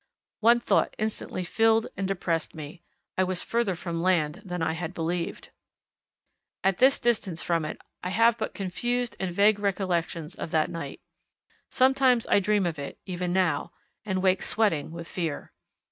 One thought instantly filled and depressed me I was further from land than I had believed. At this distance from it I have but confused and vague recollections of that night. Sometimes I dream of it even now and wake sweating with fear.